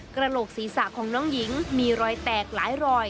กระโหลกศีรษะของน้องหญิงมีรอยแตกหลายรอย